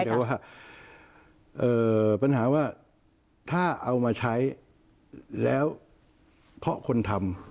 เพราะว่าปัญหาถ้าเอามาใช้แล้วเพราะคนทำ